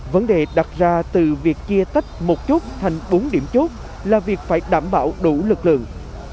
vấn đề đặt ra từ việc chia tách một chút thành bốn điểm chốt là việc phải đảm bảo đủ lực lượng